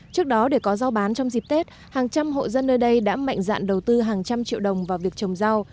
trước đó để có rau bán trong dịp tết hàng trăm hộ dân nơi đây đã mạnh dạn đầu tư hàng trăm triệu đồng vào việc trồng rau